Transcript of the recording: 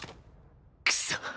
クソッ